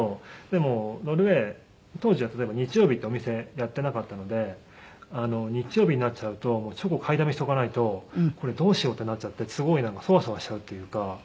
でもノルウェー当時は例えば日曜日ってお店やってなかったので日曜日になっちゃうとチョコを買いだめしておかないとこれどうしようってなっちゃってすごいそわそわしちゃうっていうか。